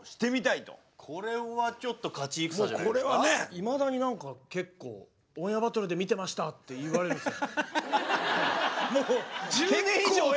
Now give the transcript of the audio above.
いまだに何か結構「オンエアバトルで見てました」って言われるんですよ。